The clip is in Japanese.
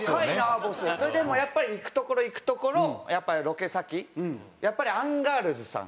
それでもうやっぱり行く所行く所ロケ先やっぱりアンガールズさん。